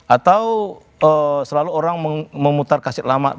atau selalu orang memutar kasid lama